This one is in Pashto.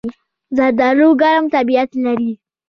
زردالو ګرم طبیعت لري.